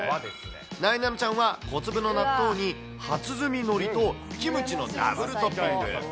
なえなのちゃんは、小粒の納豆に、初摘みのりとキムチのナムルトッピング。